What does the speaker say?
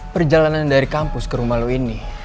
perjalanan dari kampus ke rumah lo ini